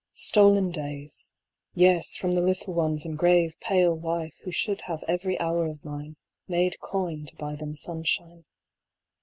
Stolen days ; yes, from the little ones and grave pale wife who should have every hour of mine made coin to buy them sunshine.